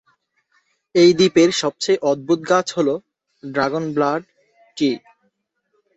এই দ্বীপের সবচেয়ে অদ্ভুত গাছ হলো ড্রাগন-ব্লাড ট্রি।